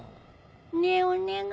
ねえお願い。